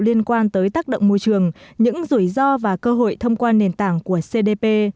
liên quan tới tác động môi trường những rủi ro và cơ hội thông qua nền tảng của cdp